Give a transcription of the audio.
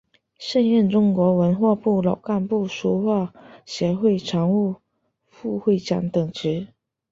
现任中国文化部老干部书画学会常务副会长等职。